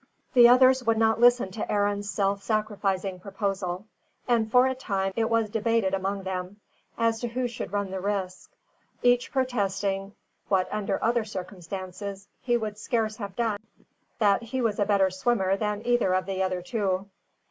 The others would not listen to Arend's self sacrificing proposal; and for a time, it was debated among them, as to who should run the risk, each protesting what under other circumstances he would scarce have done, that he was a better swimmer than either of the other two.